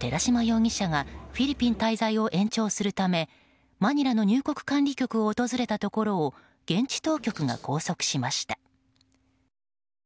寺島容疑者がフィリピン滞在を延長するためマニラの入国管理局を訪れたところを現地当局が拘束しました。